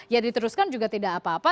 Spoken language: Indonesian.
ya diteruskan juga tidak apa apa